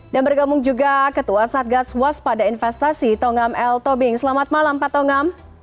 dan bergabung juga ketua satgas waspada investasi tongam l tobing selamat malam pak tongam